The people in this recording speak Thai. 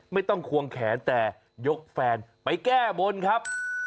ไม่ต้องควงแขนแต่ยกแฟนไปแก้บนครับ